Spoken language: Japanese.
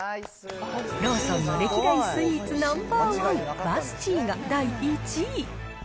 ローソンの歴代スイーツナンバー１、バスチーが第１位。